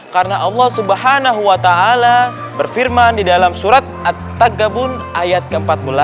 karena allah swt berfirman di dalam surat at tagabun ayat ke empat belas